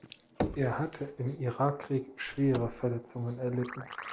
Er hatte im Irakkrieg schwere Verletzungen erlitten.